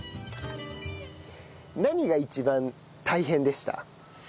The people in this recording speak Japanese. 何が一番大変でした？